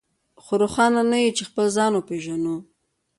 خو روښانه نه يو چې خپل ځان وپېژنو.